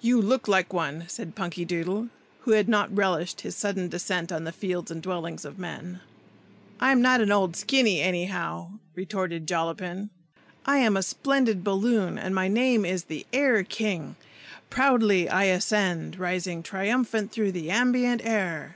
"You look like one!" said Punkydoodle, who had not relished his sudden descent on the fields and dwellings of men. "I'm not an old Skinny, anyhow!" retorted Jollapin. "I am a splendid balloon, and my name is the Air King. Proudly I ascend, rising triumphant through the ambient air."